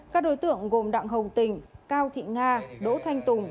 các đối tượng gồm đặng hồng tình cao thị nga đỗ thanh tùng